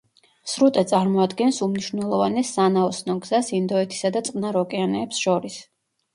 სრუტე წარმოადგენს უმნიშვნელოვანეს სანაოსნო გზას ინდოეთისა და წყნარ ოკეანეებს შორის.